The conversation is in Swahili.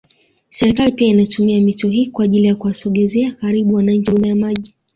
Serikali pia inaitumia mito hii kwa ajili ya kuwasogezeaa karibu wananchi huduma ya maji